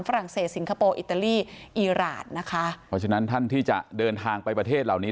ฝรัศสิงคโปร์อิตาลีอีรานนะคะเพราะฉะนั้นท่านที่จะเดินทางไปประเทศเหล่านี้